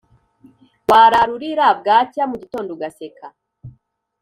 Warara urirra bwacya mugitondo ugaseka